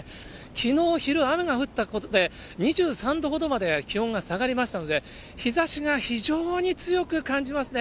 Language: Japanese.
きのう昼、雨が降ったことで、２３度ほどまで気温が下がりましたので、日ざしが非常に強く感じますね。